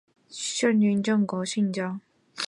现辟为中山公园。